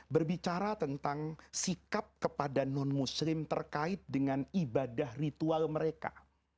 berbicara tentang sikap kepada non muslim terkait dengan ibadah ritual mereka